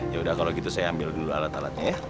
yaudah kalau gitu saya ambil dulu alat alatnya ya